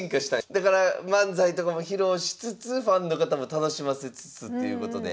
だから漫才とかも披露しつつファンの方も楽しませつつということで。